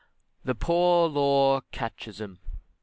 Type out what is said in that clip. THE POOR LAW CATECHISM.